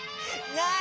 ない！